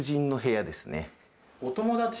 お友達？